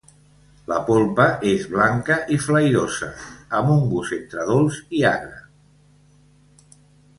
La polpa és blanca i flairosa amb un gust entre dolç i agre.